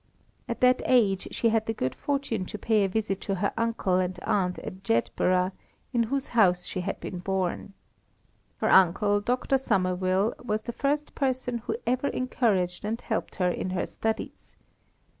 At that age she had the good fortune to pay a visit to her uncle and aunt at Jedburgh, in whose house she had been born. Her uncle, Dr. Somerville, was the first person who ever encouraged and helped her in her studies.